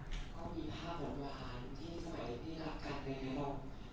ย้อนกับใครบุ่ม